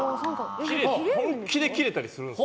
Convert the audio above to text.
本気でキレたりするんですか？